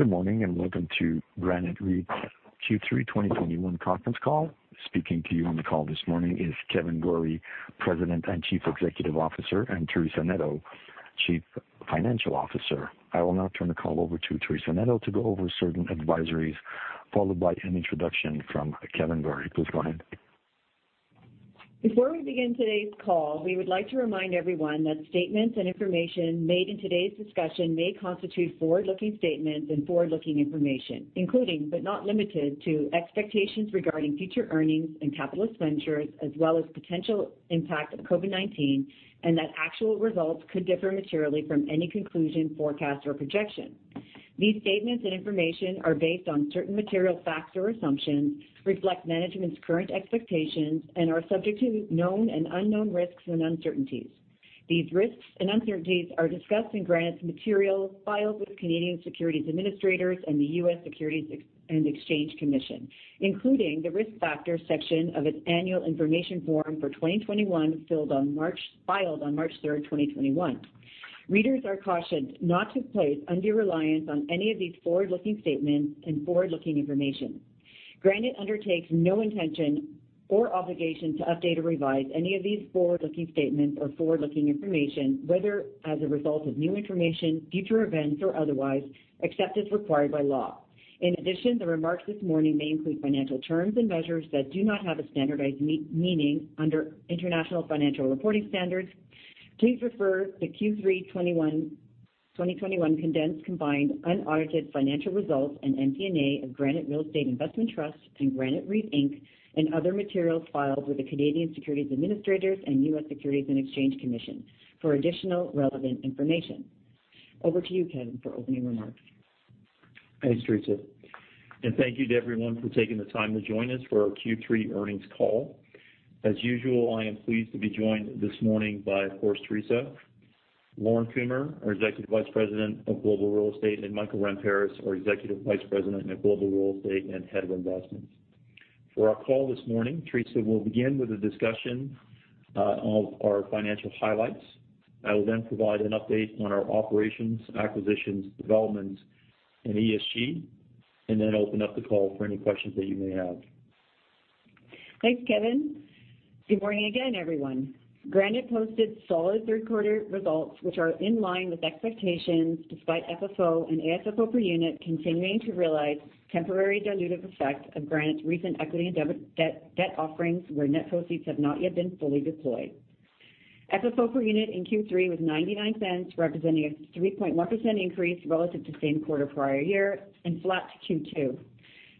Good morning, and welcome to Granite REIT's Q3 2021 conference call. Speaking to you on the call this morning is Kevan Gorrie, President and Chief Executive Officer, and Teresa Neto, Chief Financial Officer. I will now turn the call over to Teresa Neto to go over certain advisories, followed by an introduction from Kevan Gorrie. Please go ahead. Before we begin today's call, we would like to remind everyone that statements and information made in today's discussion may constitute forward-looking statements and forward-looking information, including, but not limited to expectations regarding future earnings and capital expenditures, as well as potential impact of COVID-19, and that actual results could differ materially from any conclusion, forecast, or projection. These statements and information are based on certain material facts or assumptions, reflect management's current expectations, and are subject to known and unknown risks and uncertainties. These risks and uncertainties are discussed in Granite's materials filed with Canadian Securities Administrators and the U.S. Securities and Exchange Commission, including the Risk Factors section of its annual information form for 2021, filed on March 3rd, 2021. Readers are cautioned not to place undue reliance on any of these forward-looking statements and forward-looking information. Granite undertakes no intention or obligation to update or revise any of these forward-looking statements or forward-looking information, whether as a result of new information, future events, or otherwise, except as required by law. In addition, the remarks this morning may include financial terms and measures that do not have a standardized meaning under International Financial Reporting Standards. Please refer to the Q3 2021 condensed combined unaudited financial results and MD&A of Granite Real Estate Investment Trust and Granite REIT Inc., and other materials filed with the Canadian Securities Administrators and U.S. Securities and Exchange Commission for additional relevant information. Over to you, Kevan, for opening remarks. Thanks, Teresa. Thank you to everyone for taking the time to join us for our Q3 earnings call. As usual, I am pleased to be joined this morning by, of course, Teresa; Lorne Kumer, our Executive Vice President of Global Real Estate; and Michael Ramparas, our Executive Vice President at Global Real Estate and Head of Investments. For our call this morning, Teresa will begin with a discussion of our financial highlights. I will then provide an update on our operations, acquisitions, development, and ESG, and then open up the call for any questions that you may have. Thanks, Kevan. Good morning again, everyone. Granite posted solid third quarter results, which are in line with expectations despite FFO and AFFO per unit continuing to realize temporary dilutive effects of Granite's recent equity and debt offerings, where net proceeds have not yet been fully deployed. FFO per unit in Q3 was 0.99, representing a 3.1% increase relative to same quarter prior year and flat to Q2.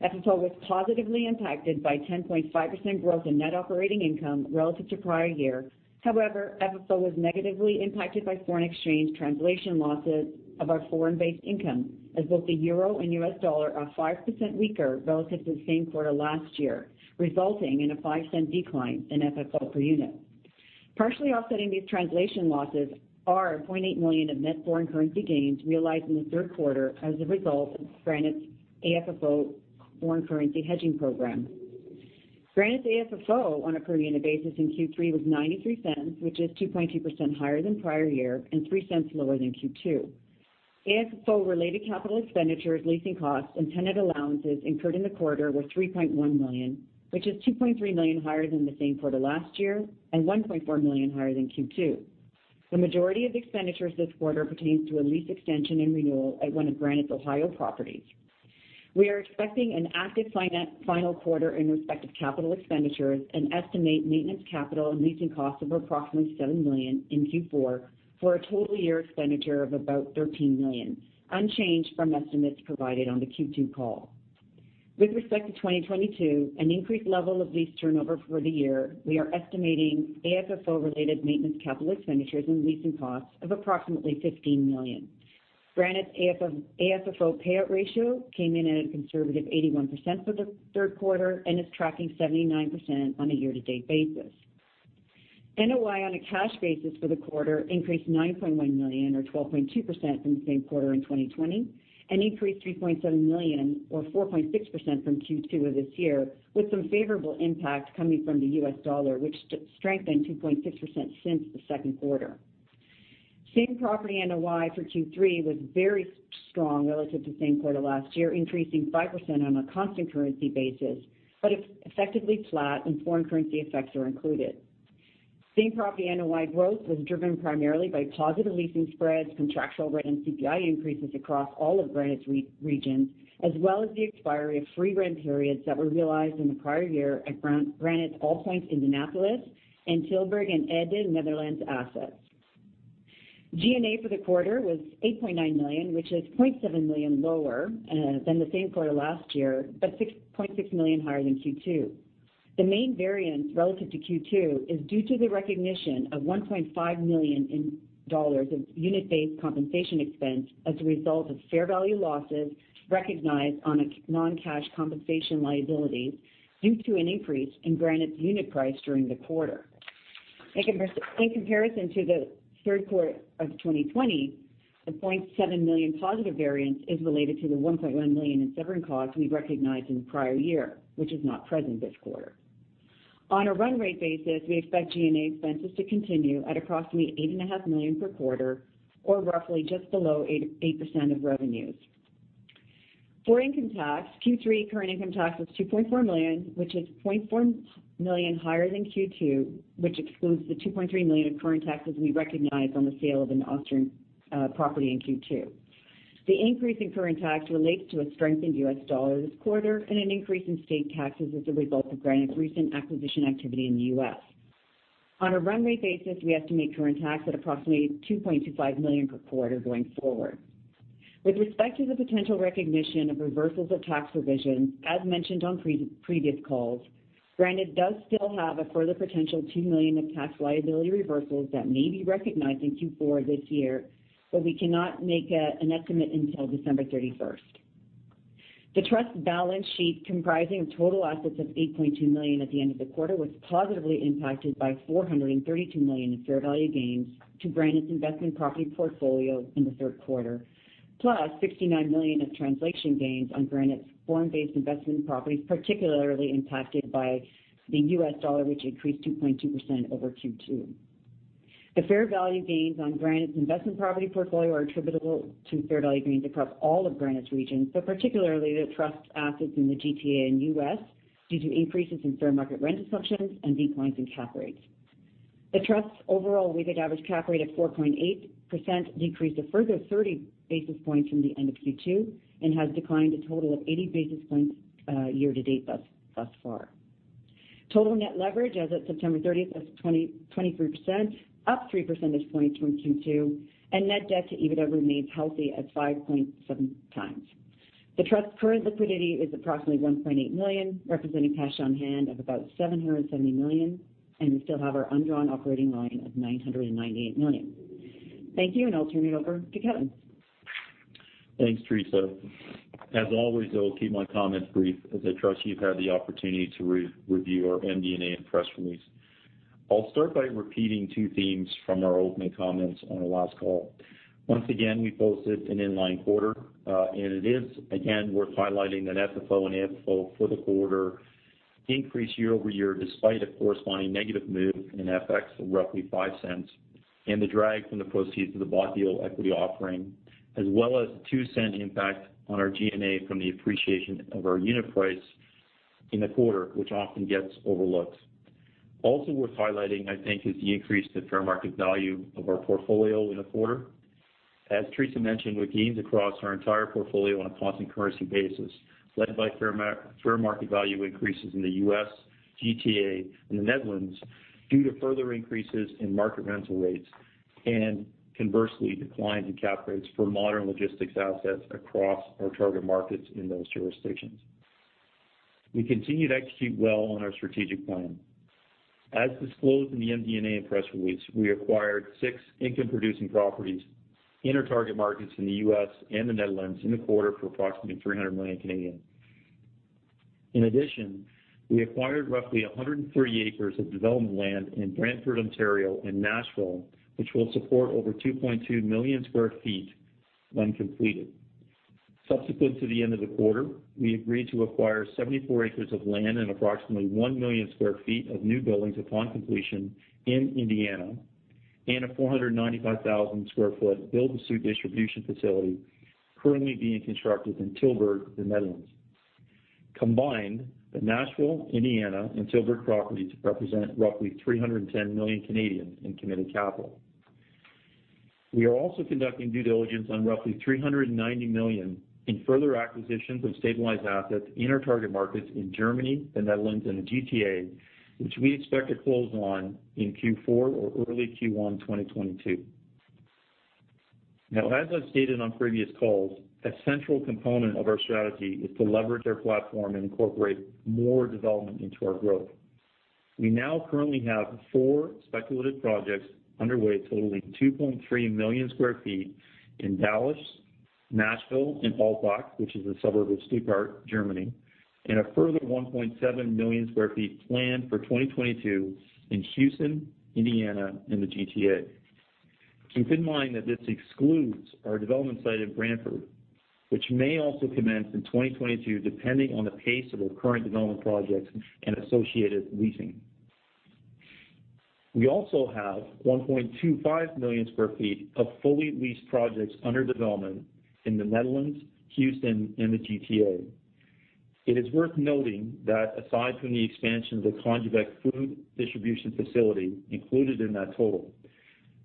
FFO was positively impacted by 10.5% growth in net operating income relative to prior year. However, FFO was negatively impacted by foreign exchange translation losses of our foreign-based income, as both the euro and U.S. dollar are 5% weaker relative to the same quarter last year, resulting in a 0.05 decline in FFO per unit. Partially offsetting these translation losses are 0.8 million of net foreign currency gains realized in the third quarter as a result of Granite's AFFO foreign currency hedging program. Granite's AFFO on a per unit basis in Q3 was 0.93, which is 2.2% higher than prior year and 0.03 lower than Q2. AFFO-related capital expenditures, leasing costs, and tenant allowances incurred in the quarter were 3.1 million, which is 2.3 million higher than the same quarter last year and 1.4 million higher than Q2. The majority of expenditures this quarter pertains to a lease extension and renewal at one of Granite's Ohio properties. We are expecting an active final quarter in respect of capital expenditures and estimate maintenance, capital, and leasing costs of approximately 7 million in Q4, for a total year expenditure of about 13 million, unchanged from estimates provided on the Q2 call. With respect to 2022, an increased level of lease turnover for the year, we are estimating AFFO-related maintenance capital expenditures and leasing costs of approximately 15 million. Granite's AFFO payout ratio came in at a conservative 81% for the third quarter and is tracking 79% on a year-to-date basis. NOI on a cash basis for the quarter increased 9.1 million or 12.2% from the same quarter in 2020, and increased 3.7 million or 4.6% from Q2 of this year, with some favorable impact coming from the U.S. dollar, which strengthened 2.6% since the second quarter. Same property NOI for Q3 was very strong relative to same quarter last year, increasing 5% on a constant currency basis, but effectively flat when foreign currency effects are included. Same property NOI growth was driven primarily by positive leasing spreads, contractual rent, and CPI increases across all of Granite's regions, as well as the expiry of free rent periods that were realized in the prior year at Granite's AllPoints Indianapolis, and Tilburg and Ede Netherlands assets. G&A for the quarter was 8.9 million, which is 0.7 million lower than the same quarter last year, but 0.6 million higher than Q2. The main variance relative to Q2 is due to the recognition of 1.5 million dollars of unit-based compensation expense as a result of fair value losses recognized on a non-cash compensation liabilities due to an increase in Granite's unit price during the quarter. In comparison to the third quarter of 2020, the 0.7 million positive variance is related to the 1.1 million in severance costs we recognized in the prior year, which is not present this quarter. On a run rate basis, we expect G&A expenses to continue at approximately 8.5 million per quarter or roughly just below 8.8% of revenues. For income tax, Q3 current income tax was 2.4 million, which is 0.4 million higher than Q2, which excludes the 2.3 million of current taxes we recognized on the sale of an Austrian property in Q2. The increase in current tax relates to a strengthened U.S. dollar this quarter and an increase in state taxes as a result of Granite's recent acquisition activity in the U.S. On a run rate basis, we estimate current tax at approximately 2.25 million per quarter going forward. With respect to the potential recognition of reversals of tax provisions, as mentioned on previous calls, Granite does still have a further potential 2 million of tax liability reversals that may be recognized in Q4 this year, but we cannot make an estimate until December 31st. The trust balance sheet, comprising of total assets of 8.2 million at the end of the quarter, was positively impacted by 432 million in fair value gains to Granite's investment property portfolio in the third quarter, plus 69 million of translation gains on Granite's foreign-based investment properties, particularly impacted by the U.S. dollar, which increased 2.2% over Q2. The fair value gains on Granite's investment property portfolio are attributable to fair value gains across all of Granite's regions, but particularly the trust assets in the GTA and U.S. due to increases in fair market rent assumptions and declines in cap rates. The trust's overall weighted average cap rate of 4.8% decreased a further 30 basis points from the end of Q2 and has declined a total of 80 basis points year to date thus far. Total net leverage as of September 30th was 22.3%, up 3% from [Q2], and net debt to EBITDA remains healthy at 5.7 times. The trust's current liquidity is approximately 1.8 billion, representing cash on hand of about 770 million, and we still have our undrawn operating line of 998 million. Thank you, and I'll turn it over to Kevan. Thanks, Teresa. As always, I'll keep my comments brief, as I trust you've had the opportunity to re-review our MD&A and press release. I'll start by repeating two themes from our opening comments on our last call. Once again, we posted an in-line quarter, and it is again worth highlighting that FFO and AFFO for the quarter increased year-over-year despite a corresponding negative move in FX of roughly [0.05] and the drag from the proceeds of the ATM equity offering, as well as the [0.02] impact on our G&A from the appreciation of our unit price in the quarter, which often gets overlooked. Also worth highlighting, I think, is the increase in fair market value of our portfolio in the quarter. As Teresa mentioned, with gains across our entire portfolio on a constant currency basis, led by fair market value increases in the U.S., GTA, and the Netherlands due to further increases in market rental rates and conversely declines in cap rates for modern logistics assets across our target markets in those jurisdictions. We continue to execute well on our strategic plan. As disclosed in the MD&A and press release, we acquired six income-producing properties in our target markets in the U.S. and the Netherlands in the quarter for approximately 300 million. In addition, we acquired roughly 130 acres of development land in Brantford, Ontario, and Nashville, which will support over 2.2 million sq ft when completed. Subsequent to the end of the quarter, we agreed to acquire 74 acres of land and approximately 1 million sq ft of new buildings upon completion in Indiana and a 495,000 sq ft build-to-suit distribution facility currently being constructed in Tilburg, the Netherlands. Combined, the Nashville, Indiana, and Tilburg properties represent roughly 310 million in committed capital. We are also conducting due diligence on roughly 390 million in further acquisitions of stabilized assets in our target markets in Germany, the Netherlands, and the GTA, which we expect to close on in Q4 or early Q1, 2022. Now, as I've stated on previous calls, a central component of our strategy is to leverage our platform and incorporate more development into our growth. We now currently have four speculative projects underway totaling 2.3 million sq ft in Dallas, Nashville, and Altbach, which is a suburb of Stuttgart, Germany, and a further 1.7 million sq ft planned for 2022 in Houston, Indiana, and the GTA. Keep in mind that this excludes our development site in Brantford, which may also commence in 2022, depending on the pace of our current development projects and associated leasing. We also have 1.25 million sq ft of fully leased projects under development in the Netherlands, Houston, and the GTA. It is worth noting that aside from the expansion of the Congebec food distribution facility included in that total,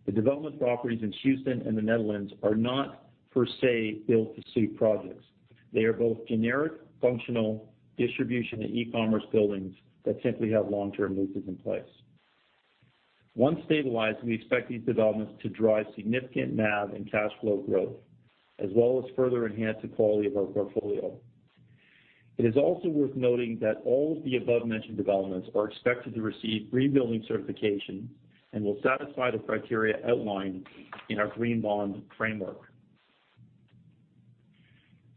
the development properties in Houston and the Netherlands are not per se build-to-suit projects. They are both generic, functional distribution and e-commerce buildings that simply have long-term leases in place. Once stabilized, we expect these developments to drive significant NAV and cash flow growth, as well as further enhance the quality of our portfolio. It is also worth noting that all of the above-mentioned developments are expected to receive green building certification and will satisfy the criteria outlined in our green bond framework.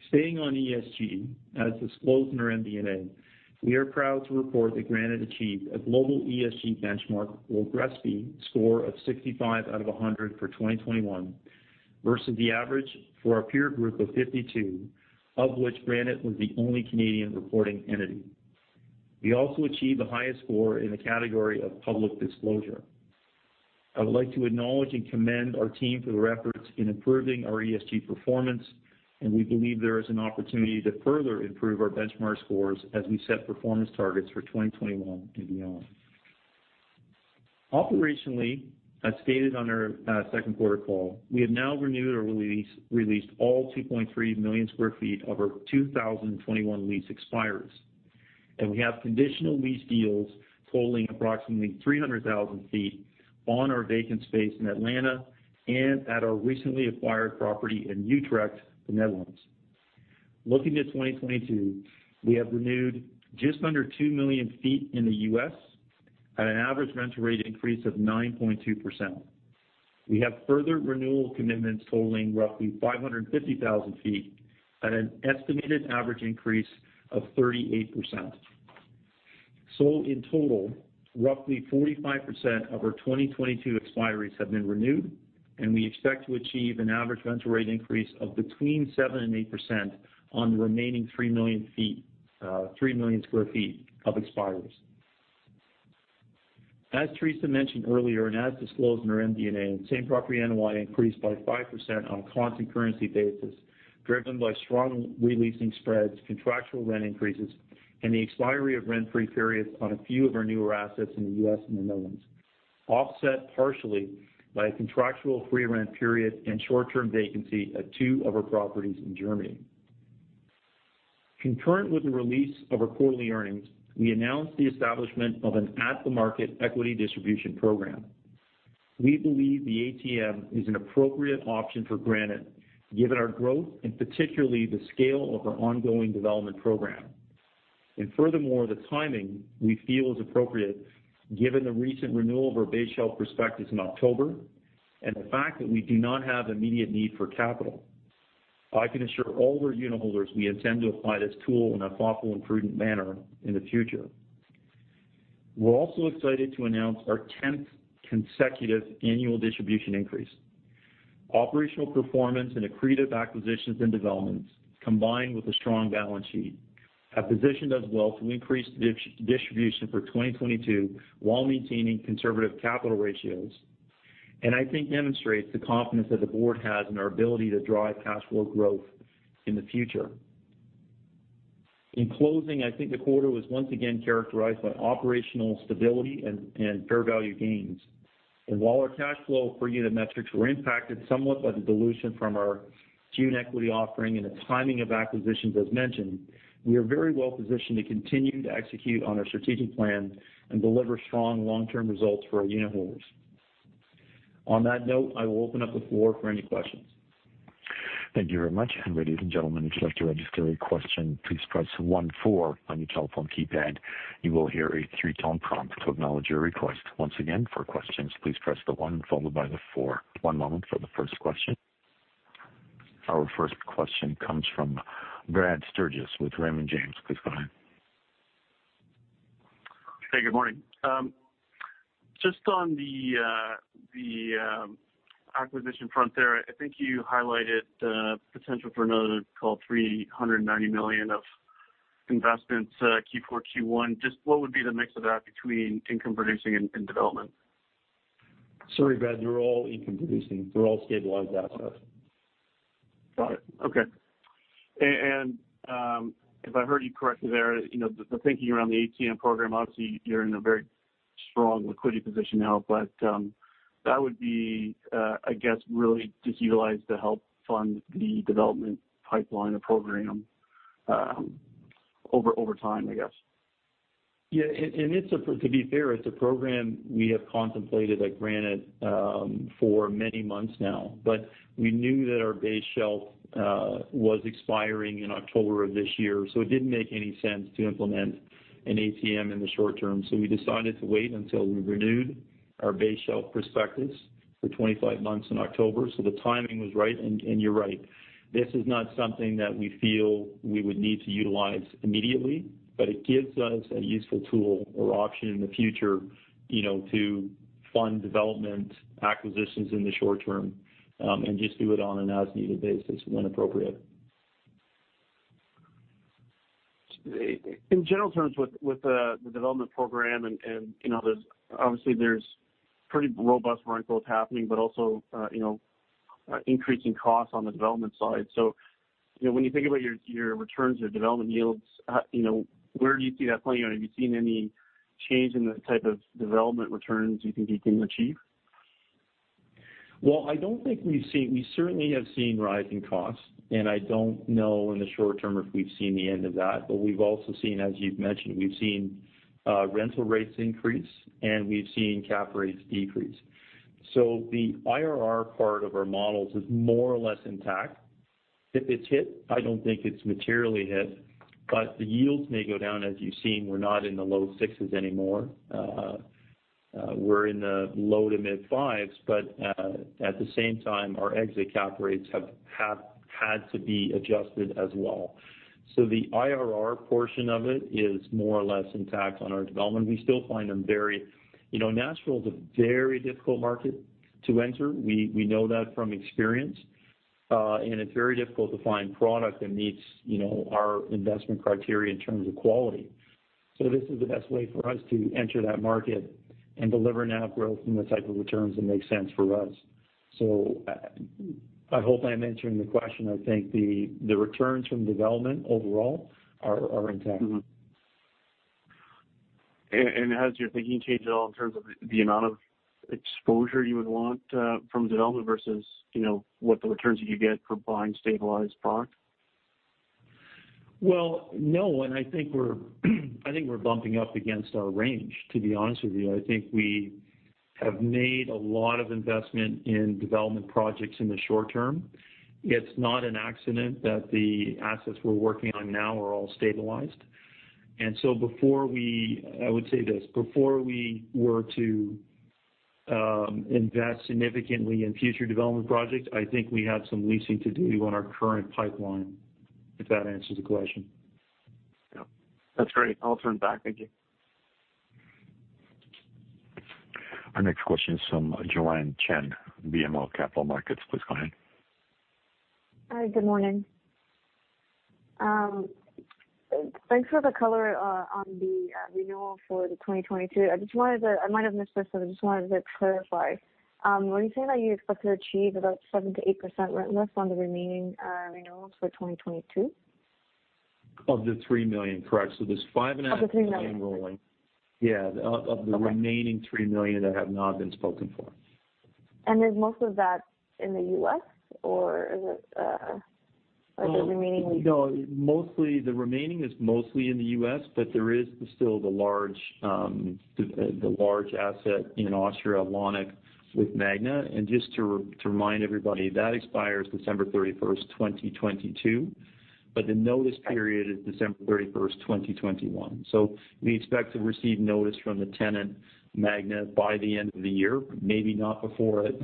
Staying on ESG, as disclosed in our MD&A, we are proud to report that Granite achieved a global ESG benchmark [GRESB] score of 65 out of 100 for 2021 versus the average for our peer group of 52, of which Granite was the only Canadian reporting entity. We also achieved the highest score in the category of public disclosure. I would like to acknowledge and commend our team for their efforts in improving our ESG performance, and we believe there is an opportunity to further improve our benchmark scores as we set performance targets for 2021 and beyond. Operationally, as stated on our second quarter call, we have now renewed or released all 2.3 million sq ft of our 2021 lease expiries. We have conditional lease deals totaling approximately 300,000 sq ft on our vacant space in Atlanta and at our recently acquired property in Utrecht, the Netherlands. Looking to 2022, we have renewed just under 2 million sq ft in the U.S. at an average rental rate increase of 9.2%. We have further renewal commitments totaling roughly 550,000 sq ft at an estimated average increase of 38%. In total, roughly 45% of our 2022 expiries have been renewed, and we expect to achieve an average rental rate increase of between 7% and 8% on the remaining 3 million sq ft of expiries. As Teresa mentioned earlier, and as disclosed in our MD&A, same property NOI increased by 5% on a constant currency basis, driven by strong re-leasing spreads, contractual rent increases, and the expiry of rent-free periods on a few of our newer assets in the U.S. and the Netherlands, offset partially by a contractual free rent period and short-term vacancy at two of our properties in Germany. Concurrent with the release of our quarterly earnings, we announced the establishment of an at-the-market equity distribution program. We believe the ATM is an appropriate option for Granite given our growth and particularly the scale of our ongoing development program. Furthermore, the timing we feel is appropriate given the recent renewal of our base shelf prospectus in October and the fact that we do not have immediate need for capital. I can assure all of our unitholders we intend to apply this tool in a thoughtful and prudent manner in the future. We're also excited to announce our tenth consecutive annual distribution increase. Operational performance and accretive acquisitions and developments, combined with a strong balance sheet, have positioned us well to increase distribution for 2022 while maintaining conservative capital ratios, and I think demonstrates the confidence that the board has in our ability to drive cash flow growth in the future. In closing, I think the quarter was once again characterized by operational stability and fair value gains. While our cash flow per unit metrics were impacted somewhat by the dilution from our June equity offering and the timing of acquisitions, as mentioned, we are very well positioned to continue to execute on our strategic plan and deliver strong long-term results for our unitholders. On that note, I will open up the floor for any questions. Thank you very much. Ladies and gentlemen, if you'd like to register a question, please press one-four on your telephone keypad. You will hear a three-tone prompt to acknowledge your request. Once again, for questions, please press the one followed by the four. One moment for the first question. Our first question comes from Brad Sturges with Raymond James. Please go ahead. Hey, good morning. Just on the acquisition front there, I think you highlighted the potential for another call 390 million of investments, Q4, Q1. Just what would be the mix of that between income producing and development? Sorry, Brad, they're all income producing. They're all stabilized assets. Got it. Okay. If I heard you correctly there, you know, the thinking around the ATM program, obviously you're in a very strong liquidity position now, but that would be, I guess, really just utilized to help fund the development pipeline or program, over time, I guess. Yeah. To be fair, it's a program we have contemplated at Granite for many months now. We knew that our base shelf was expiring in October of this year, so it didn't make any sense to implement an ATM in the short term. We decided to wait until we renewed our base shelf prospectus for 25 months in October. The timing was right. You're right. This is not something that we feel we would need to utilize immediately, but it gives us a useful tool or option in the future, you know, to fund development acquisitions in the short term, and just do it on an as-needed basis when appropriate. In general terms with the development program and, you know, there's obviously pretty robust rent growth happening, but also, you know, increasing costs on the development side. You know, when you think about your returns or development yields, you know, where do you see that playing out? Have you seen any change in the type of development returns you think you can achieve? We certainly have seen rising costs, and I don't know in the short term if we've seen the end of that. We've also seen, as you've mentioned, rental rates increase, and we've seen cap rates decrease. The IRR part of our models is more or less intact. If it's hit, I don't think it's materially hit, but the yields may go down. As you've seen, we're not in the low sixes anymore. We're in the low to mid fives, but at the same time, our exit cap rates have had to be adjusted as well. The IRR portion of it is more or less intact on our development. We still find them very. You know, Nashville is a very difficult market to enter. We know that from experience. It's very difficult to find product that meets, you know, our investment criteria in terms of quality. This is the best way for us to enter that market and deliver NAV growth and the type of returns that make sense for us. I hope I'm answering the question. I think the returns from development overall are intact. Has your thinking changed at all in terms of the amount of exposure you would want from development versus, you know, what the returns that you get from buying stabilized product? Well, no, I think we're bumping up against our range, to be honest with you. I think we have made a lot of investment in development projects in the short term. It's not an accident that the assets we're working on now are all stabilized. I would say this, before we were to invest significantly in future development projects, I think we have some leasing to do on our current pipeline, if that answers the question. Yeah. That's great. I'll turn it back. Thank you. Our next question is from Joanne Chen, BMO Capital Markets. Please go ahead. Hi, good morning. Thanks for the color on the renewal for 2022. I just wondered that I might have missed this, so I just wanted to clarify. When you say that you expect to achieve about 7%-8% rent lift on the remaining renewals for 2022? Of the [3 million], correct. There's [5.5-] Of the [3 million]? Million rolling. Yeah. Of the remaining [3 million] that have not been spoken for. Is most of that in the U.S., or is it like the remaining lease? No, mostly the remaining is mostly in the U.S., but there is still the large asset in Austria, Lannach with Magna. Just to remind everybody, that expires December 31st, 2022, but the notice period is December 31st, 2021. We expect to receive notice from the tenant, Magna, by the end of the year, maybe not before it,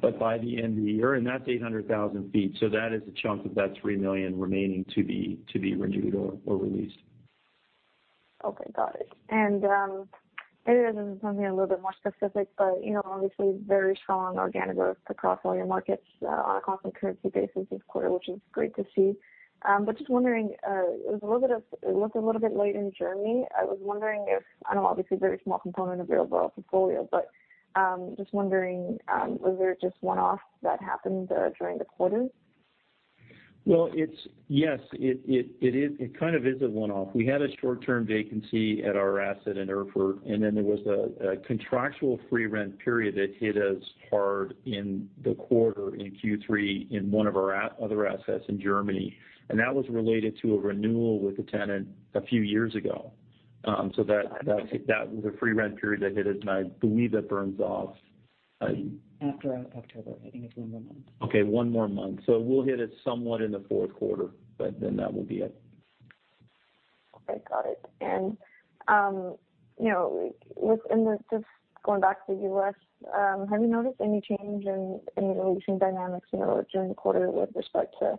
but by the end of the year, and that's 800,000 sq ft. That is a chunk of that [3 million] remaining to be renewed or released. Okay, got it. Maybe this is something a little bit more specific, but, you know, obviously very strong organic growth across all your markets on a constant currency basis this quarter, which is great to see. Just wondering, it looked a little bit light in Germany. I was wondering if, I know obviously a very small component of your overall portfolio, but, just wondering, was there just one-off that happened during the quarter? Yes, it is. It kind of is a one-off. We had a short-term vacancy at our asset in Erfurt, and then there was a contractual free rent period that hit us hard in the quarter in Q3 in one of our other assets in Germany. That was related to a renewal with the tenant a few years ago. That was a free rent period that hit us, and I believe that burns off. After October. I think it's one more month. Okay, one more month. We'll hit it somewhat in the fourth quarter, but then that will be it. Okay, got it. You know, and then just going back to U.S., have you noticed any change in the leasing dynamics, you know, during the quarter with respect to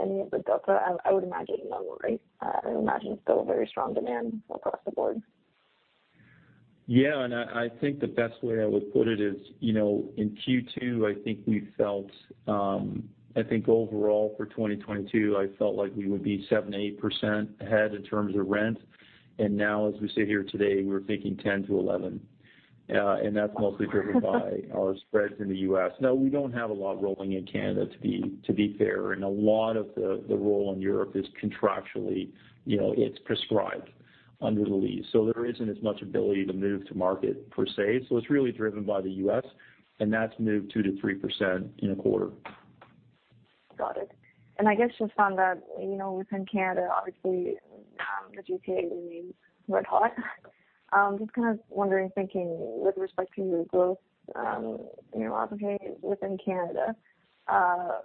any of the delta? I would imagine no, right? I would imagine it's still very strong demand across the board. Yeah, I think the best way I would put it is, you know, in Q2, I think we felt I think overall for 2022, I felt like we would be 7%-8% ahead in terms of rent. Now as we sit here today, we're thinking 10%-11%. That's mostly driven by our spreads in the U.S. No, we don't have a lot rolling in Canada, to be fair, and a lot of the roll in Europe is contractually, you know, it's prescribed under the lease. There isn't as much ability to move to market per se. It's really driven by the U.S., and that's moved 2%-3% in a quarter. Got it. I guess just on that, you know, within Canada, obviously, the GTA remains red hot. Just kind of wondering, thinking with respect to your growth, you know, opportunities within Canada,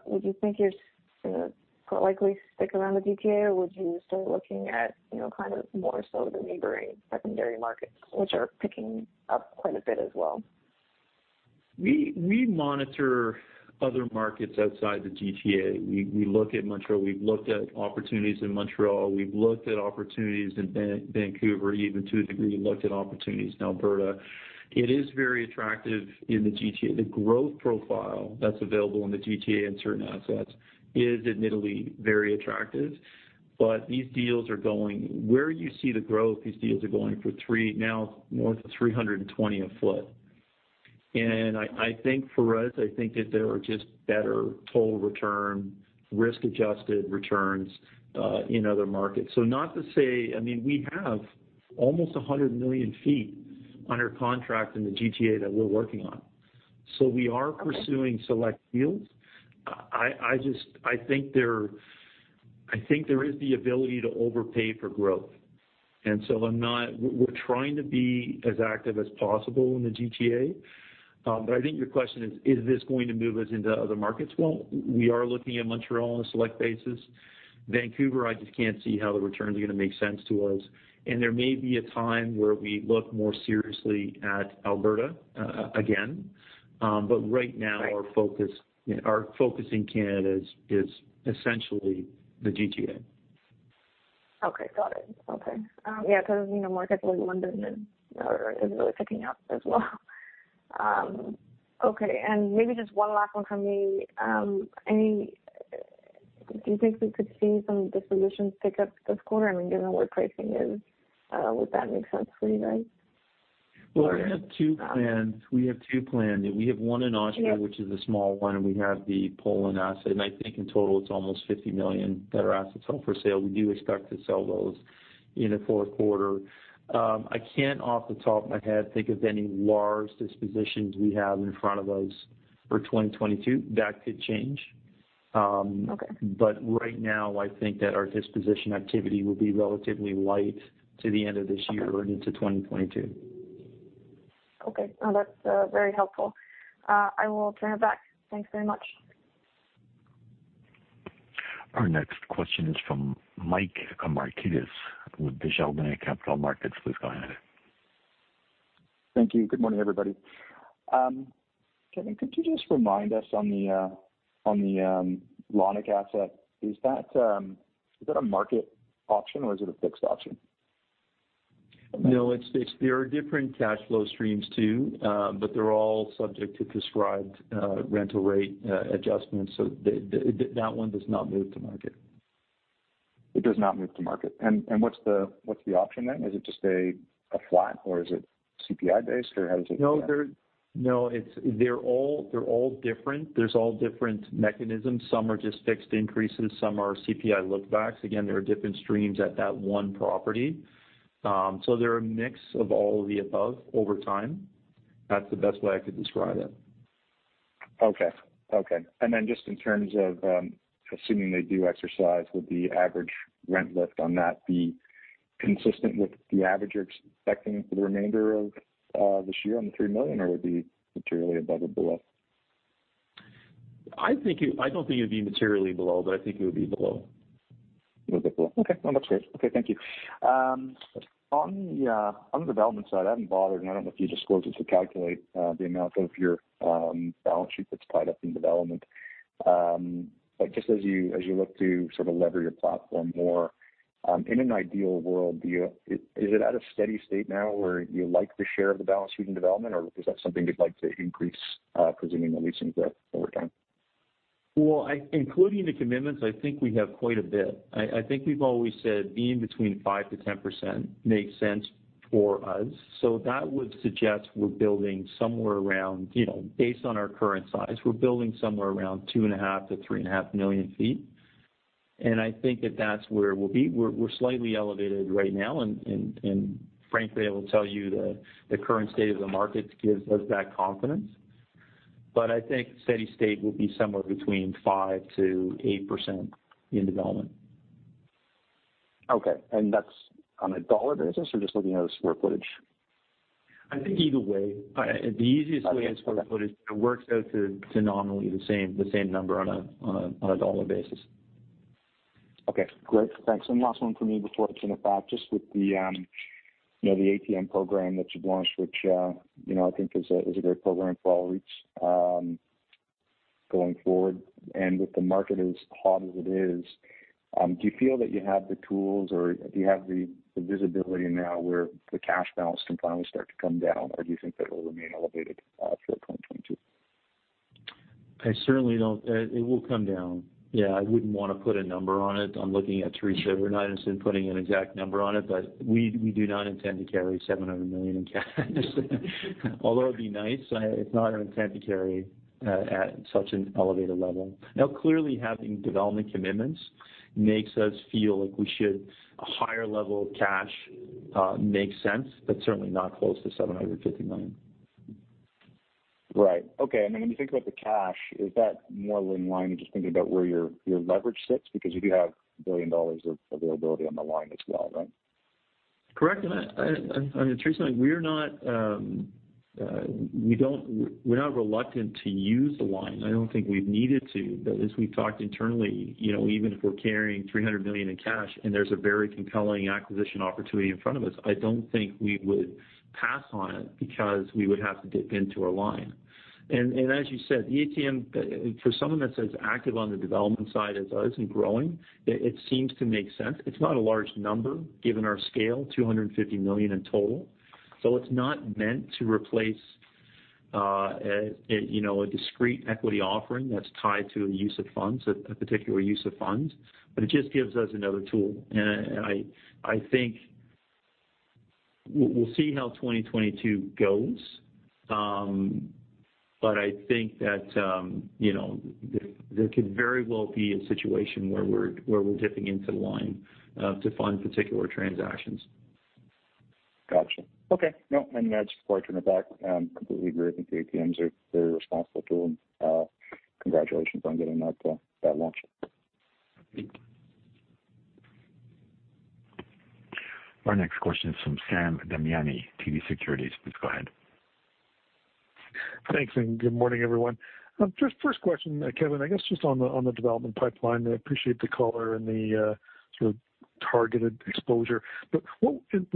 would you think you're gonna likely stick around the GTA, or would you start looking at, you know, kind of more so the neighboring secondary markets, which are picking up quite a bit as well? We monitor other markets outside the GTA. We look at Montreal. We've looked at opportunities in Montreal. We've looked at opportunities in Vancouver, even to a degree, looked at opportunities in Alberta. It is very attractive in the GTA. The growth profile that's available in the GTA in certain assets is admittedly very attractive. Where you see the growth, these deals are going for [300], now north of 320 a foot. I think for us that there are just better total return, risk-adjusted returns in other markets. Not to say, I mean, we have almost 100 million sq ft under contract in the GTA that we're working on. We are pursuing select deals. I just think there is the ability to overpay for growth. We're trying to be as active as possible in the GTA. But I think your question is this going to move us into other markets? Well, we are looking at Montreal on a select basis. Vancouver, I just can't see how the returns are gonna make sense to us. There may be a time where we look more seriously at Alberta, again. But right now our focus in Canada is essentially the GTA. Okay, got it. Okay. Yeah, 'cause you know, markets like London are really picking up as well. Okay. Maybe just one last one from me. Do you think we could see some dispositions pick up this quarter? I mean, given where pricing is, would that make sense for you guys? Well, we have two plans. We have one in Oshawa which is a small one, and we have the Poland asset. I think in total, it's almost 50 million that are assets held for sale. We do expect to sell those in the fourth quarter. I can't, off the top of my head, think of any large dispositions we have in front of us for 2022. That could change. But right now, I think that our disposition activity will be relatively light to the end of this year and into 2022. Okay. No, that's very helpful. I will turn it back. Thanks very much. Our next question is from Michael Markidis with Desjardins Capital Markets. Please go ahead. Thank you. Good morning, everybody. Kevan, could you just remind us on the Lannach asset, is that a market option or is it a fixed option? No, it's they are different cash flow streams too, but they're all subject to prescribed rental rate adjustments. That one does not move to market. It does not move to market. What's the option then? Is it just a flat or is it CPI based or how does it No, they're all different. There are all different mechanisms. Some are just fixed increases, some are CPI look backs. Again, there are different streams at that one property. They're a mix of all of the above over time. That's the best way I could describe it. Just in terms of assuming they do exercise, would the average rent lift on that be consistent with the average you're expecting for the remainder of this year on the [3 million], or would it be materially above or below? I don't think it would be materially below, but I think it would be below. A little bit below. Okay. No, that's great. Okay. Thank you. On the development side, I haven't bothered, and I don't know if you disclose it, to calculate the amount of your balance sheet that's tied up in development. But just as you look to sort of lever your platform more, in an ideal world, is it at a steady state now where you like the share of the balance sheet in development, or is that something you'd like to increase, presuming the leasing growth over time? Well, including the commitments, I think we have quite a bit. I think we've always said being between 5%-10% makes sense for us. That would suggest we're building somewhere around, you know, based on our current size, we're building somewhere around 2.5-3.5 million sq ft. I think that's where we'll be. We're slightly elevated right now. Frankly, I will tell you the current state of the markets gives us that confidence. I think steady state will be somewhere between 5%-8% in development. Okay. That's on a dollar basis or just looking at a square footage? I think either way. The easiest way is square footage, but it works out to nominally the same number on a dollar basis. Okay. Great. Thanks. Last one from me before I turn it back. Just with the, you know, the ATM program that you've launched, which, you know, I think is a great program for all REITs, going forward, and with the market as hot as it is, do you feel that you have the tools or do you have the visibility now where the cash balance can finally start to come down, or do you think that it will remain elevated through 2022? I certainly don't. It will come down. Yeah, I wouldn't wanna put a number on it. I'm looking at Teresa. We're not interested in putting an exact number on it, but we do not intend to carry 700 million in cash. Although it'd be nice, it's not our intent to carry at such an elevated level. Now, clearly, having development commitments makes us feel like a higher level of cash makes sense, but certainly not close to 750 million. Right. Okay. When you think about the cash, is that more in line with just thinking about where your leverage sits? Because you do have 1 billion dollars of availability on the line as well, right? Correct. We're not reluctant to use the line. I don't think we've needed to. As we've talked internally, you know, even if we're carrying 300 million in cash and there's a very compelling acquisition opportunity in front of us, I don't think we would pass on it because we would have to dip into our line. As you said, the ATM for someone that's as active on the development side as us and growing, it seems to make sense. It's not a large number given our scale, 250 million in total. It's not meant to replace, you know, a discrete equity offering that's tied to a use of funds, a particular use of funds, but it just gives us another tool. I think we'll see how 2022 goes. I think that you know, there could very well be a situation where we're dipping into the line to fund particular transactions. Gotcha. Okay. No, that's before I turn it back. Completely agree. I think the ATMs are a very responsible tool, and congratulations on getting that launched. Thank you. Our next question is from Sam Damiani, TD Securities. Please go ahead. Thanks, good morning, everyone. Just first question, Kevan, I guess just on the development pipeline, I appreciate the color and the sort of targeted exposure. With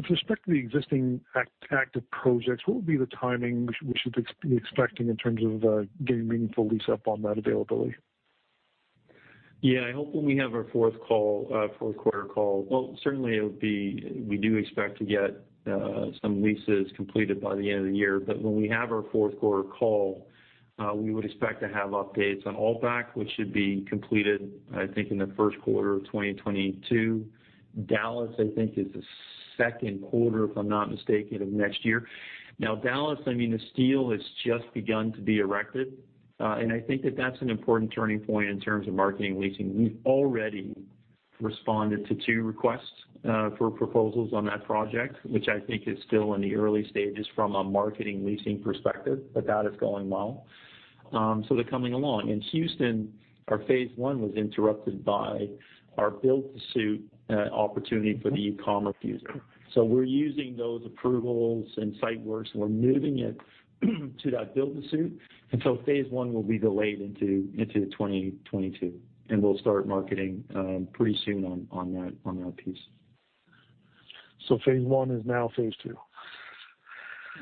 respect to the existing active projects, what would be the timing we should expect in terms of getting meaningful lease up on that availability? I hope when we have our fourth quarter call, we do expect to get some leases completed by the end of the year. When we have our fourth quarter call, we would expect to have updates on Altbach, which should be completed, I think, in the first quarter of 2022. Dallas, I think, is the second quarter, if I'm not mistaken, of next year. Dallas, the steel has just begun to be erected. I think that that's an important turning point in terms of marketing leasing. We've already responded to two requests for proposals on that project, which I think is still in the early stages from a marketing leasing perspective, but that is going well. They're coming along. In Houston, our phase one was interrupted by our build-to-suit opportunity for the e-commerce user. We're using those approvals and site works, and we're moving it to that build-to-suit. Phase one will be delayed into 2022, and we'll start marketing pretty soon on that piece. Phase one is now phase two?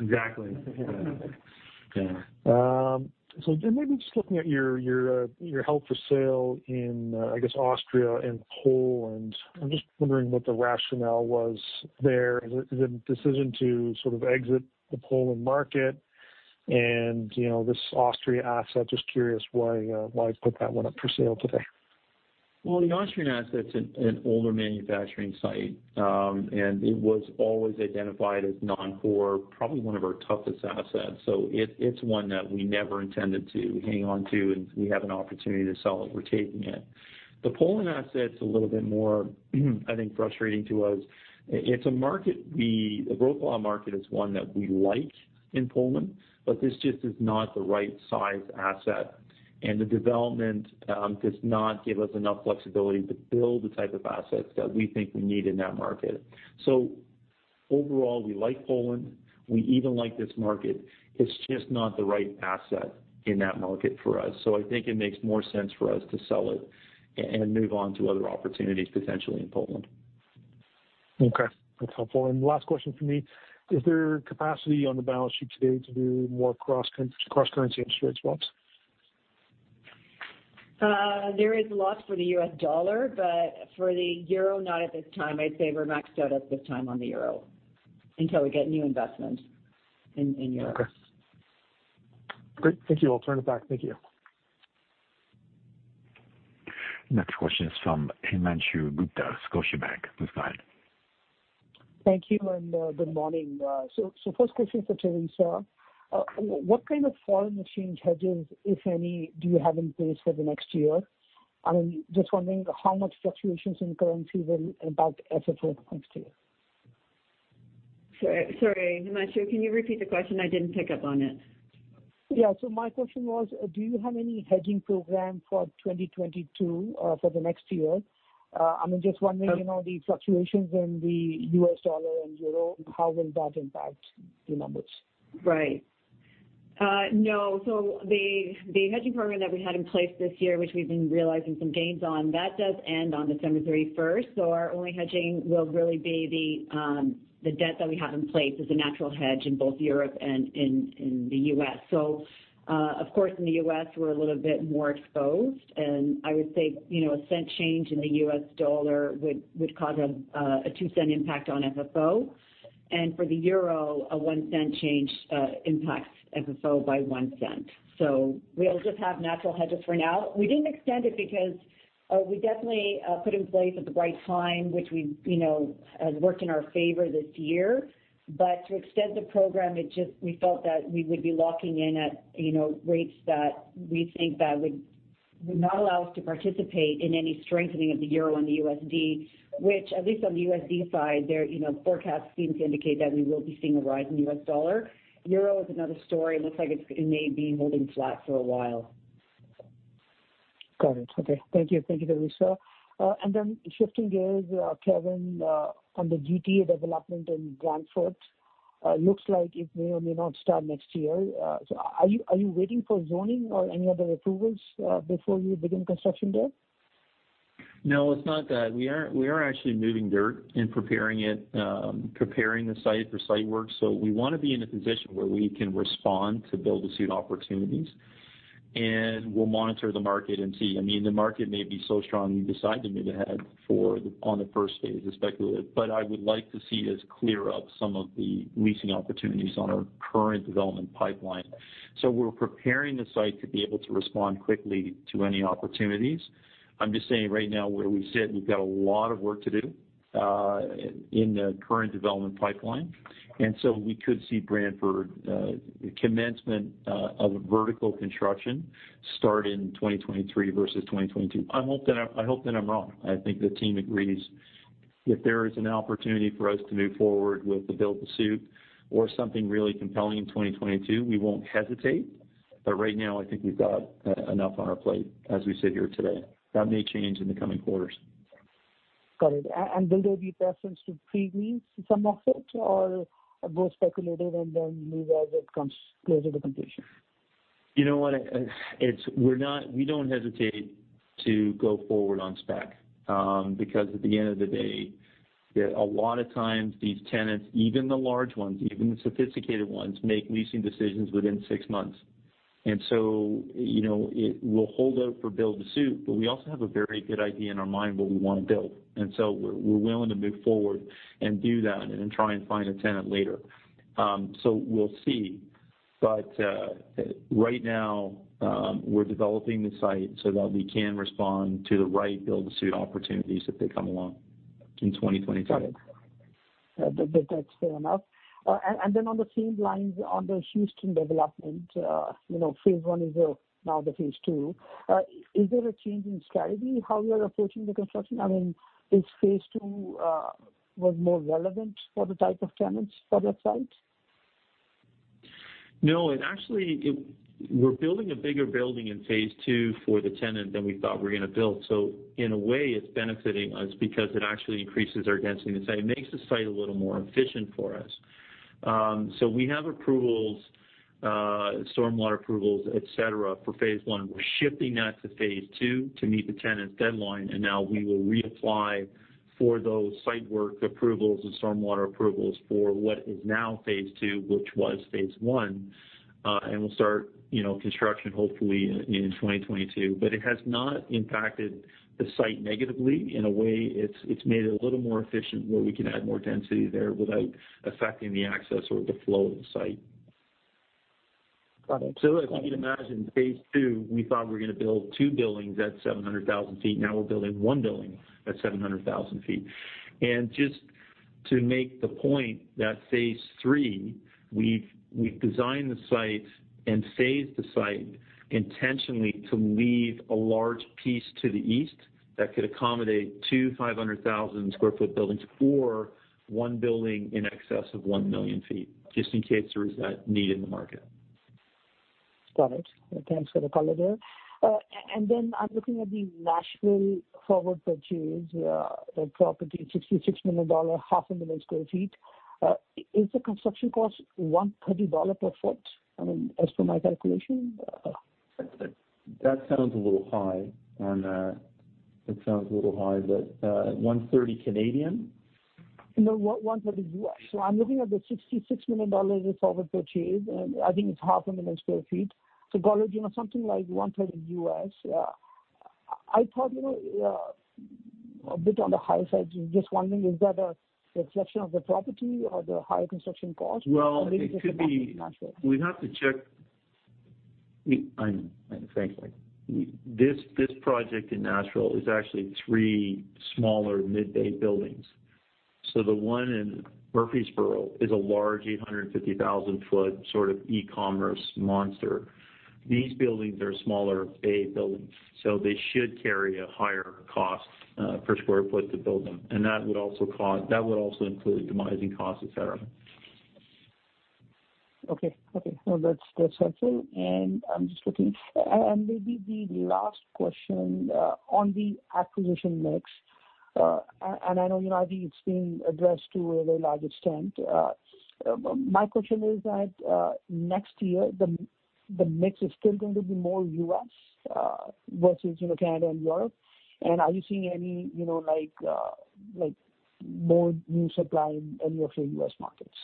Exactly. Yeah. Maybe just looking at your held for sale in, I guess, Austria and Poland. I'm just wondering what the rationale was there. The decision to sort of exit the Poland market and, you know, this Austria asset, just curious why you put that one up for sale today. The Austrian asset's an older manufacturing site, and it was always identified as non-core, probably one of our toughest assets. It's one that we never intended to hang on to, and we have an opportunity to sell it, we're taking it. The Poland asset's a little bit more, I think, frustrating to us. It's a market. The Wrocław market is one that we like in Poland, but this just is not the right size asset. The development does not give us enough flexibility to build the type of assets that we think we need in that market. Overall, we like Poland. We even like this market. It's just not the right asset in that market for us. I think it makes more sense for us to sell it and move on to other opportunities potentially in Poland. Okay, that's helpful. Last question from me, is there capacity on the balance sheet today to do more cross-currency interest swaps? There is lots for the U.S. dollar, but for the euro, not at this time. I'd say we're maxed out at this time on the euro until we get new investment in Europe. Okay. Great. Thank you. I'll turn it back. Thank you. Next question is from Himanshu Gupta, Scotiabank. Please go ahead. Thank you, and good morning. First question for Teresa. What kind of foreign exchange hedges, if any, do you have in place for the next year? I'm just wondering how much fluctuations in currency will impact FFO next year. Sorry, Himanshu, can you repeat the question? I didn't pick up on it. Yeah. My question was, do you have any hedging program for 2022, for the next year? I'm just wondering, you know, the fluctuations in the U.S. dollar and euro, how will that impact the numbers? Right. No. The hedging program that we had in place this year, which we've been realizing some gains on, that does end on December thirty-first. Our only hedging will really be the debt that we have in place is a natural hedge in both Europe and in the U.S. Of course, in the U.S., we're a little bit more exposed. I would say, you know, a cent change in the U.S. dollar would cause a [0.02] impact on FFO. For the euro, a [0.01] change impacts FFO by [0.01] We'll just have natural hedges for now. We didn't extend it because we definitely put in place at the right time, which we, you know, has worked in our favor this year. To extend the program, we felt that we would be locking in at, you know, rates that we think that would not allow us to participate in any strengthening of the euro and the USD, which, at least on the USD side, there, you know, forecasts seem to indicate that we will be seeing a rise in U.S. dollar. Euro is another story. It looks like it's, it may be holding flat for a while. Got it. Okay. Thank you. Thank you, Teresa. Shifting gears, Kevan, on the GTA development in Brantford, looks like it may or may not start next year. Are you waiting for zoning or any other approvals before you begin construction there? No, it's not that. We are actually moving dirt and preparing it, preparing the site for site work. We wanna be in a position where we can respond to build-to-suit opportunities, and we'll monitor the market and see. I mean, the market may be so strong, we decide to move ahead on the first phase, especially. I would like to see us clear up some of the leasing opportunities on our current development pipeline. We're preparing the site to be able to respond quickly to any opportunities. I'm just saying right now where we sit, we've got a lot of work to do, in the current development pipeline. We could see Brantford commencement of vertical construction start in 2023 versus 2022. I hope that I'm wrong. I think the team agrees. If there is an opportunity for us to move forward with the build to suit or something really compelling in 2022, we won't hesitate. Right now, I think we've got enough on our plate as we sit here today. That may change in the coming quarters. Got it. Will there be preference to pre-lease some of it or go speculative and then lease as it comes closer to completion? You know what? We don't hesitate to go forward on spec. Because at the end of the day, a lot of times these tenants, even the large ones, even the sophisticated ones, make leasing decisions within six months. You know, we'll hold out for build-to-suit, but we also have a very good idea in our mind what we want to build. We're willing to move forward and do that and then try and find a tenant later. We'll see. Right now, we're developing the site so that we can respond to the right build-to-suit opportunities if they come along in 2022. Got it. That's fair enough. On the same lines, on the Houston development, you know, phase one is now the phase two. Is there a change in strategy how you are approaching the construction? I mean, is phase two was more relevant for the type of tenants for that site? No. Actually, we're building a bigger building in phase two for the tenant than we thought we were going to build. In a way, it's benefiting us because it actually increases our density in the site. It makes the site a little more efficient for us. We have approvals, stormwater approvals, et cetera, for phase one. We're shifting that to phase two to meet the tenant's deadline, and now we will reapply for those site work approvals and stormwater approvals for what is now phase two, which was phase one. We'll start construction hopefully in 2022. It has not impacted the site negatively. In a way, it's made it a little more efficient where we can add more density there without affecting the access or the flow of the site. As you can imagine, phase two, we thought we were gonna build two buildings at 700,000 sq ft. Now we're building one building at 700,000 sq ft. Just to make the point that phase three, we've designed the site and phased the site intentionally to leave a large piece to the east that could accommodate two 500,000 sq ft buildings or one building in excess of 1 million sq ft, just in case there is that need in the market. Got it. Thanks for the color there. Then I'm looking at the Nashville forward purchase, the property, [$66 million], 500,000 sq ft. Is the construction cost $130 per foot, I mean, as per my calculation? That sounds a little high on that. It sounds a little high, but 130? No, $130. I'm looking at the [$66 million] purchase, and I think it's 500,000 sq ft. Got it, you know, something like $130. I thought, you know, a bit on the high side. Just wondering, is that a reflection of the property or the higher construction cost? Well, it could be- Maybe just the market in Nashville. We'd have to check. Frankly, this project in Nashville is actually three smaller mid A buildings. The one in Murfreesboro is a large 850,000 sq ft sort of e-commerce monster. These buildings are smaller A buildings, so they should carry a higher cost per square foot to build them. That would also include demising costs, et cetera. Okay. No, that's helpful. I'm just looking. Maybe the last question on the acquisition mix, and I know, you know, I think it's been addressed to a large extent. My question is that next year, the mix is still going to be more U.S. versus, you know, Canada and Europe. Are you seeing any, you know, like, more new supply in any of your U.S. markets?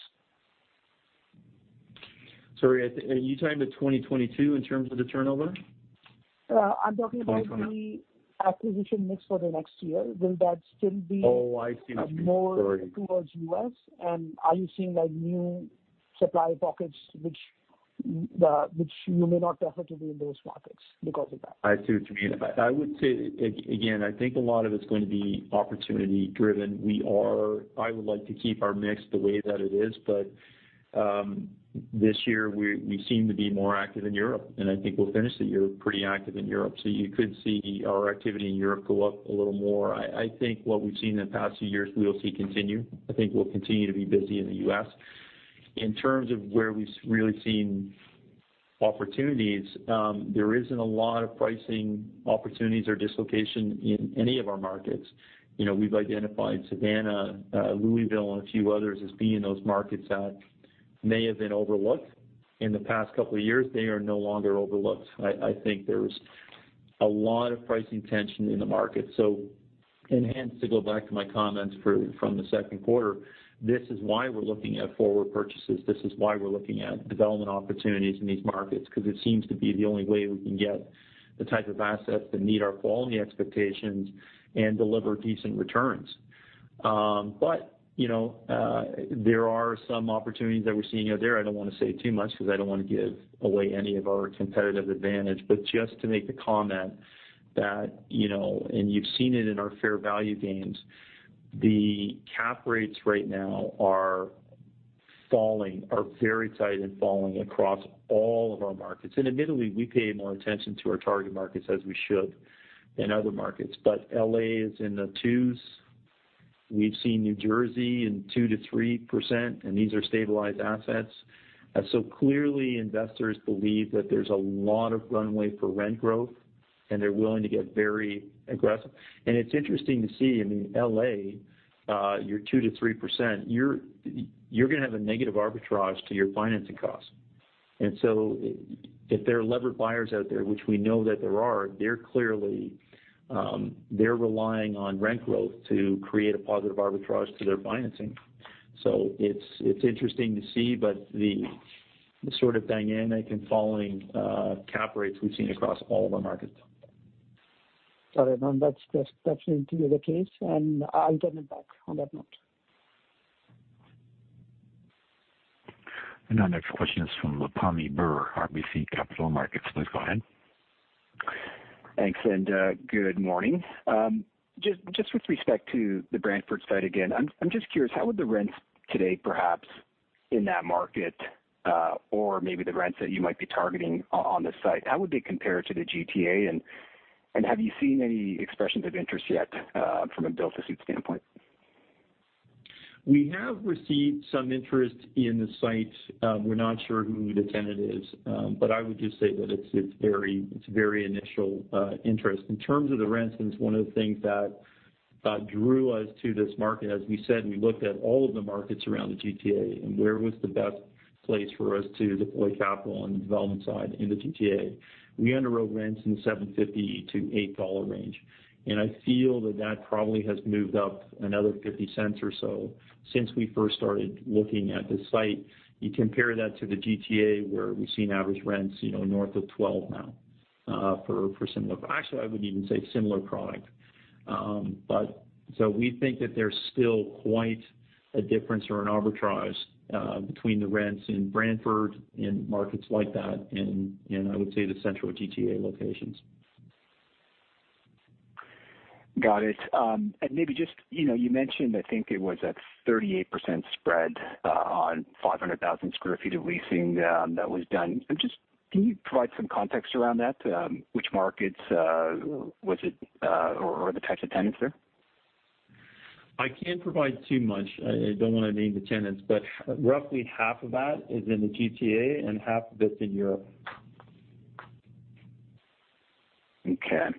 Sorry, I think, are you tying to 2022 in terms of the turnover? I'm talking about the acquisition mix for the next year. Will that still be- Oh, I see. More towards the U.S.? Are you seeing, like, new supply pockets which you may not prefer in those markets because of that? I see what you mean. I would say again, I think a lot of it's going to be opportunity driven. I would like to keep our mix the way that it is, but this year we seem to be more active in Europe, and I think we'll finish the year pretty active in Europe. You could see our activity in Europe go up a little more. I think what we've seen in the past few years, we'll see continue. I think we'll continue to be busy in the U.S. In terms of where we've really seen opportunities, there isn't a lot of pricing opportunities or dislocation in any of our markets. You know, we've identified Savannah, Louisville, and a few others as being those markets that may have been overlooked. In the past couple of years, they are no longer overlooked. I think there's a lot of pricing tension in the market. To go back to my comments from the second quarter, this is why we're looking at forward purchases. This is why we're looking at development opportunities in these markets, because it seems to be the only way we can get the type of assets that meet our quality expectations and deliver decent returns. You know, there are some opportunities that we're seeing out there. I don't wanna say too much because I don't want to give away any of our competitive advantage. Just to make the comment that, you know, and you've seen it in our fair value gains, the cap rates right now are very tight and falling across all of our markets. Admittedly, we pay more attention to our target markets, as we should, than other markets. L.A. is in the 2s. We've seen New Jersey in 2%-3%, and these are stabilized assets. Clearly, investors believe that there's a lot of runway for rent growth, and they're willing to get very aggressive. It's interesting to see in L.A., your 2%-3%, you're gonna have a negative arbitrage to your financing costs. If there are levered buyers out there, which we know that there are, they're clearly relying on rent growth to create a positive arbitrage to their financing. It's interesting to see, but the sort of dynamic and falling cap rates we've seen across all of our markets. All right. No, that's definitely the case, and I'll turn it back on that note. Our next question is from Pammi Bir, RBC Capital Markets. Please go ahead. Thanks, good morning. Just with respect to the Brantford site again, I'm just curious, how would the rents today perhaps in that market, or maybe the rents that you might be targeting on the site, how would they compare to the GTA? Have you seen any expressions of interest yet, from a build-to-suit standpoint? We have received some interest in the site. We're not sure who the tenant is. I would just say that it's very initial interest. In terms of the rents, it's one of the things that drew us to this market, as we said, we looked at all of the markets around the GTA, and where was the best place for us to deploy capital on the development side in the GTA. We underwrote rents in 7.50-8 dollar range, and I feel that that probably has moved up another 0.50 or so since we first started looking at the site. You compare that to the GTA, where we've seen average rents, you know, north of 12 now, for similar. Actually I wouldn't even say similar product We think that there's still quite a difference or an arbitrage between the rents in Brantford and markets like that and I would say the central GTA locations. Got it. Maybe just, you know, you mentioned, I think it was a 38% spread on 500,000 sq ft of leasing that was done. Just, can you provide some context around that? Which markets was it or the types of tenants there? I can't provide too much. I don't wanna name the tenants, but roughly half of that is in the GTA and half of it's in Europe. Okay.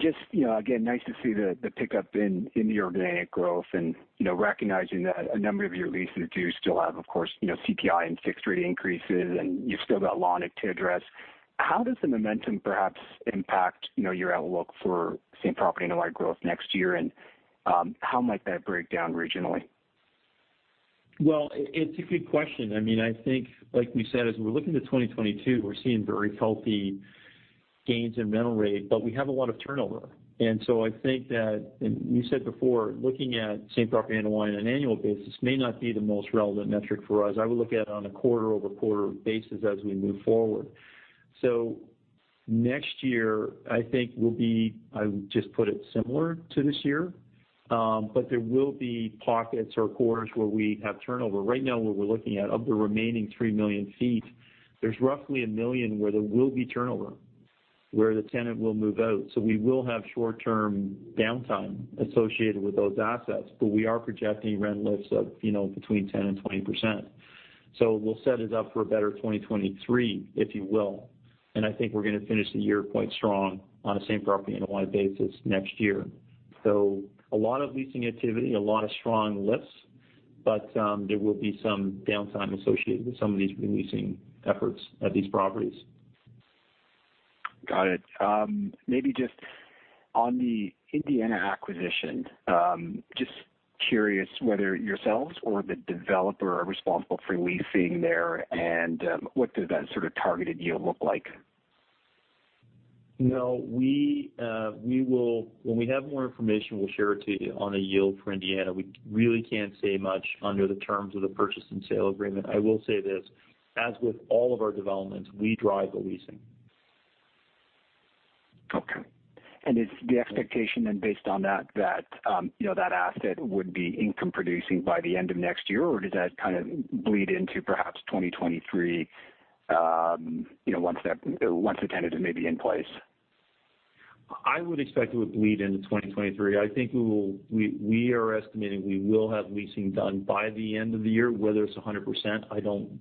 Just, you know, again, nice to see the pickup in the organic growth and, you know, recognizing that a number of your leases do still have, of course, you know, CPI and fixed rate increases, and you've still got lot to address. How does the momentum perhaps impact, you know, your outlook for same property NOI growth next year, and how might that break down regionally? Well, it's a good question. I mean, I think, like we said, as we look into 2022, we're seeing very healthy gains in rental rate, but we have a lot of turnover. I think that, and you said before, looking at same property NOI on an annual basis may not be the most relevant metric for us. I would look at it on a quarter-over-quarter basis as we move forward. Next year, I think will be, I would just put it similar to this year. But there will be pockets or quarters where we have turnover. Right now, what we're looking at, of the remaining 3 million sq ft, there's roughly 1 million sq ft where there will be turnover, where the tenant will move out. We will have short-term downtime associated with those assets, but we are projecting rent lifts of, you know, between 10% and 20%. We'll set it up for a better 2023, if you will, and I think we're gonna finish the year quite strong on a same property NOI basis next year. A lot of leasing activity, a lot of strong lifts, but there will be some downtime associated with some of these re-leasing efforts at these properties. Got it. Maybe just on the Indiana acquisition, just curious whether yourselves or the developer are responsible for leasing there, and what does that sort of targeted yield look like? No. We will. When we have more information, we'll share it to you on a yield for Indiana. We really can't say much under the terms of the purchase and sale agreement. I will say this, as with all of our developments, we drive the leasing. Okay. Is the expectation then based on that, you know, that asset would be income producing by the end of next year? Or does that kind of bleed into perhaps 2023, you know, once the tenant is maybe in place? I would expect it would bleed into 2023. I think we are estimating we will have leasing done by the end of the year. Whether it's 100%, I don't.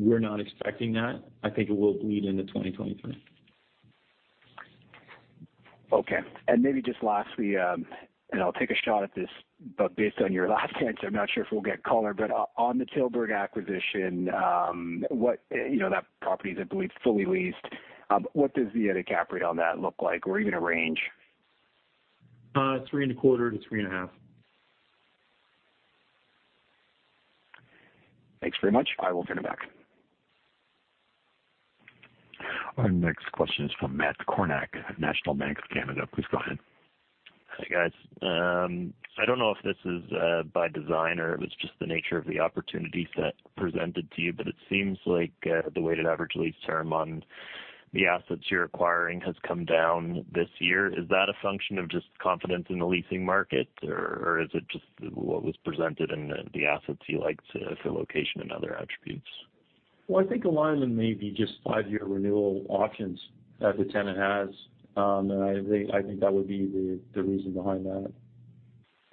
We're not expecting that. I think it will bleed into 2023. Okay. Maybe just lastly, I'll take a shot at this, but based on your last answer, I'm not sure if we'll get color. On the Tilburg acquisition, what you know, that property is, I believe, fully leased. What does the EBITDA cap rate on that look like, or even a range? Uh, [3.25%-3.5%]. Thanks very much. I will turn it back. Our next question is from Matt Kornack at National Bank of Canada. Please go ahead. Hi, guys. I don't know if this is by design or if it's just the nature of the opportunities that presented to you, but it seems like the weighted average lease term on the assets you're acquiring has come down this year. Is that a function of just confidence in the leasing market, or is it just what was presented in the assets you like to, for location and other attributes? Well, I think a lot of them may be just five-year renewal options that the tenant has. I think that would be the reason behind that.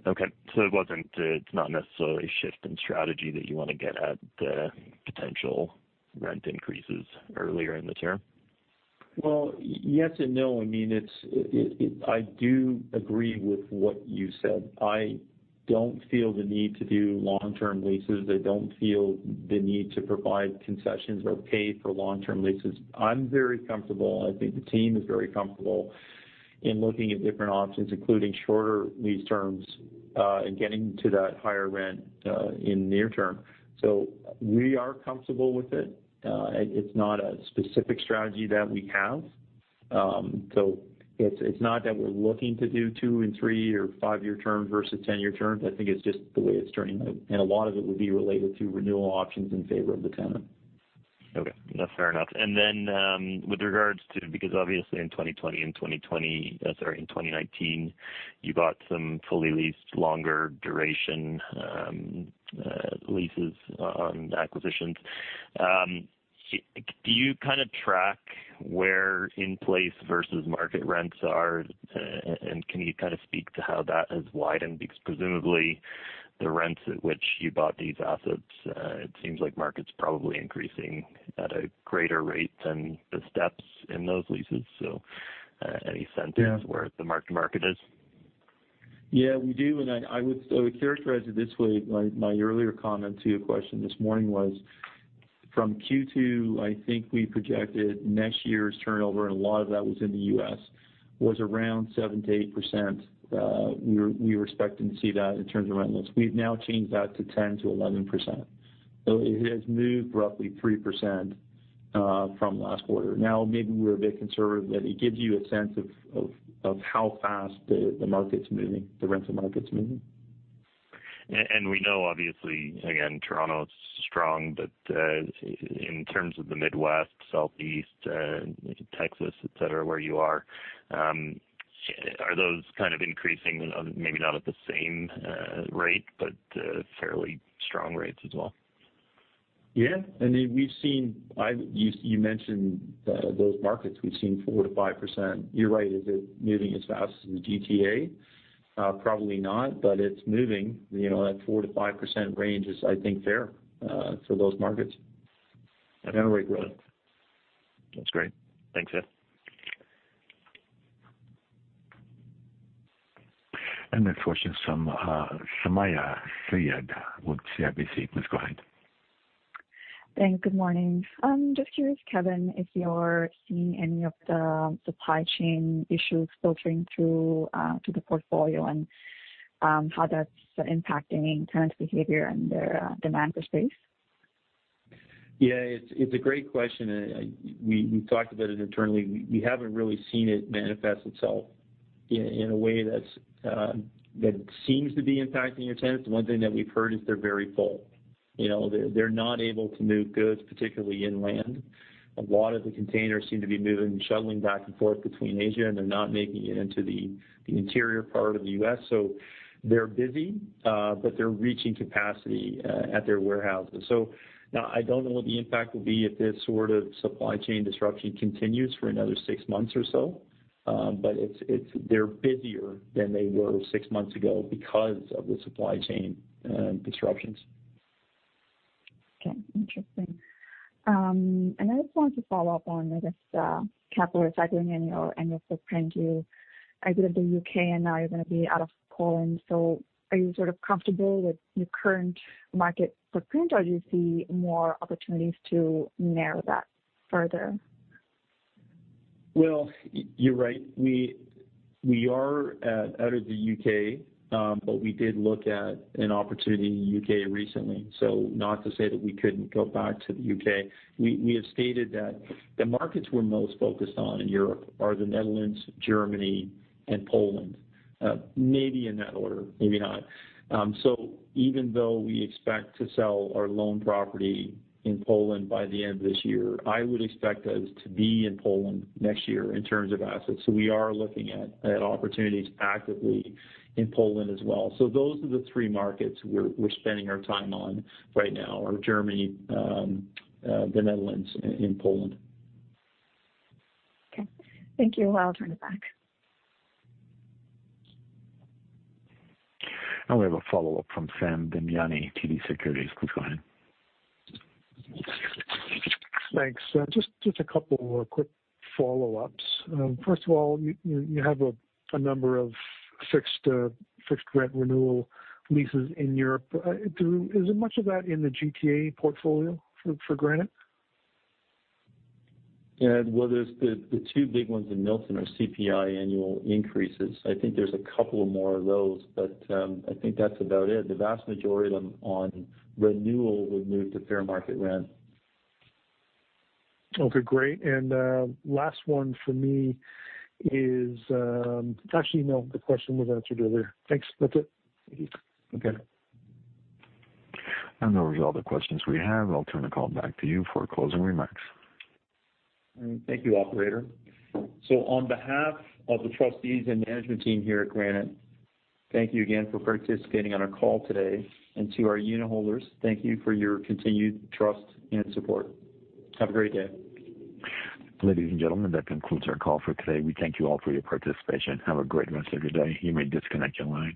Okay. It wasn't, it's not necessarily a shift in strategy that you wanna get at the potential rent increases earlier in the term? Well, yes and no. I mean, I do agree with what you said. I don't feel the need to do long-term leases. I don't feel the need to provide concessions or pay for long-term leases. I'm very comfortable, and I think the team is very comfortable in looking at different options, including shorter lease terms, and getting to that higher rent, in near term. We are comfortable with it. It's not a specific strategy that we have. It's not that we're looking to do two and three or five-year terms versus 10-year terms. I think it's just the way it's turning out. A lot of it would be related to renewal options in favor of the tenant. Okay, that's fair enough. With regards to because obviously in 2019, you got some fully leased longer duration leases on acquisitions. Do you kind of track where in place versus market rents are and can you kind of speak to how that has widened? Because presumably the rents at which you bought these assets, it seems like market's probably increasing at a greater rate than the steps in those leases. Any sense where the mark to market is? Yeah, we do. I would characterize it this way. My earlier comment to your question this morning was from Q2. I think we projected next year's turnover, and a lot of that was in the U.S., was around 7%-8%. We were expecting to see that in terms of rent lists. We've now changed that to 10%-11%. It has moved roughly 3%, from last quarter. Now, maybe we're a bit conservative, but it gives you a sense of how fast the market's moving, the rental market's moving. We know obviously, again, Toronto's strong, but in terms of the Midwest, Southeast, Texas, et cetera, where you are those kind of increasing, maybe not at the same rate, but fairly strong rates as well? Yeah. I mean, you mentioned those markets, we've seen 4%-5%. You're right. Is it moving as fast as the GTA? Probably not, but it's moving. You know, that 4%-5% range is, I think, fair for those markets at annual rate growth. That's great. Thanks, Kevan. Next question from Sumayya Syed with CIBC. Please go ahead. Thanks. Good morning. I'm just curious, Kevan, if you're seeing any of the supply chain issues filtering through to the portfolio and how that's impacting tenant behavior and their demand for space? Yeah, it's a great question, and we talked about it internally. We haven't really seen it manifest itself in a way that seems to be impacting your tenants. The one thing that we've heard is they're very full. You know, they're not able to move goods, particularly inland. A lot of the containers seem to be moving and shuttling back and forth between Asia, and they're not making it into the interior part of the U.S. They're busy, but they're reaching capacity at their warehouses. Now, I don't know what the impact will be if this sort of supply chain disruption continues for another six months or so. They're busier than they were six months ago because of the supply chain disruptions. Okay, interesting. I just wanted to follow up on, I guess, capital recycling in your international footprint. You exit the U.K., and now you're gonna be out of Poland. Are you sort of comfortable with your current market footprint, or do you see more opportunities to narrow that further? Well, you're right. We are out of the U.K., but we did look at an opportunity in the U.K. recently. Not to say that we couldn't go back to the U.K. We have stated that the markets we're most focused on in Europe are the Netherlands, Germany, and Poland. Maybe in that order, maybe not. Even though we expect to sell our lone property in Poland by the end of this year, I would expect us to be in Poland next year in terms of assets. We are looking at opportunities actively in Poland as well. Those are the three markets we're spending our time on right now, are Germany, the Netherlands, and Poland. Okay. Thank you. I'll turn it back. Now we have a follow-up from Sam Damiani, TD Securities. Please go ahead. Thanks. Just a couple of quick follow-ups. First of all, you have a number of fixed rent renewal leases in Europe. Is there much of that in the GTA portfolio for Granite? Yeah. Well, there's the two big ones in Milton are CPI annual increases. I think there's a couple more of those, but, I think that's about it. The vast majority of them on renewal would move to fair market rent. Okay, great. Actually, no, the question was answered earlier. Thanks. That's it. Okay. Those are all the questions we have. I'll turn the call back to you for closing remarks. All right. Thank you, Operator. On behalf of the trustees and management team here at Granite, thank you again for participating on our call today. To our unitholders, thank you for your continued trust and support. Have a great day. Ladies and gentlemen, that concludes our call for today. We thank you all for your participation. Have a great rest of your day. You may disconnect your line.